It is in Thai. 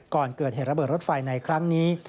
ก่อนเกิดเหตุระเบิดรถไฟในครั้งนี้